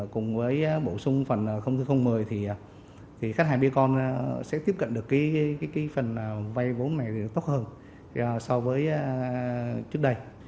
cùng với bổ sung phần thông tư một mươi thì khách hàng bicon sẽ tiếp cận được phần vay vốn này tốt hơn so với trước đây